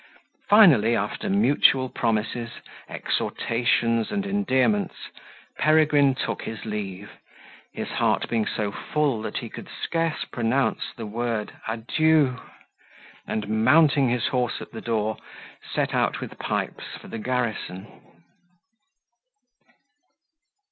Finally, after mutual promises, exhortations, and endearments, Peregrine took his leave, his heart being so full that he could scarce pronounce the word Adieu! and, mounting his horse at the door, set out with Pipes for the garrison.